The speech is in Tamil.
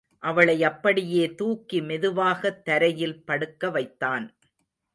அவளை அப்படியே தூக்கி மெதுவாகத் தரையில் படுக்க வைத்தான்.